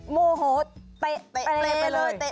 โมโหเตะเปรย์